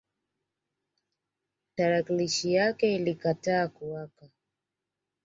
Tarakilishi yake ilikataa kuwaka